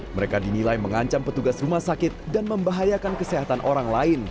mereka dinilai mengancam petugas rumah sakit dan membahayakan kesehatan orang lain